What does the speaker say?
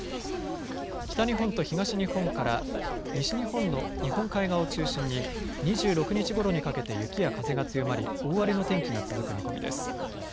北日本と東日本から西日本の日本海側を中心に２６日ごろにかけて雪や風が強まり大荒れの天気が続く見込みです。